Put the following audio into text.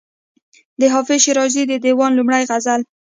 د حافظ شیرازي د دېوان لومړی غزل.